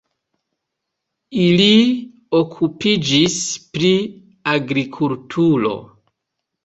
Ili okupiĝis pri agrikulturo.